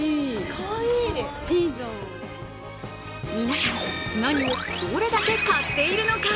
皆さん、なにをどれだけ買っているのか。